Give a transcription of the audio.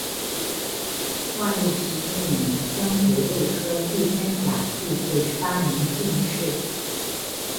万历十一年登癸未科第三甲第九十八名进士。